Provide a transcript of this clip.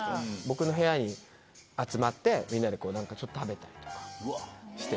僕の部屋に集まってみんなで何かちょっと食べたりとかしてた。